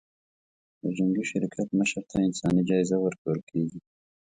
د جنګي شرکت مشر ته انساني جایزه ورکول کېږي.